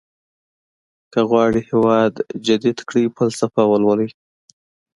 که غواړئ هېواد جديد کړئ فلسفه ولولئ.